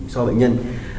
so với bệnh nhân